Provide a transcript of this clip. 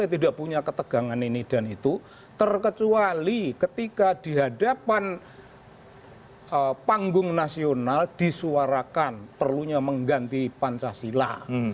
saya tidak punya ketegangan ini dan itu terkecuali ketika di hadapan panggung nasional disuarakan perlunya mengganti pancasila